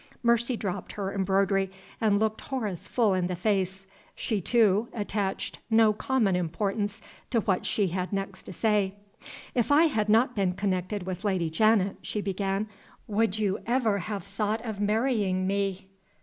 Mercy dropped her embroidery, and looked Horace full in the face. She, too, attached no common importance to what she had next to say. "If I had not been connected with Lady Janet," she began, "would you ever have thought of marrying me?"